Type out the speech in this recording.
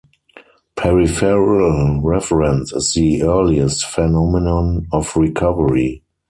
Peripheral reference is the earliest phenomenon of recovery.